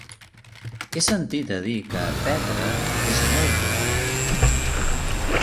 He sentit a dir que Petra és molt bonic.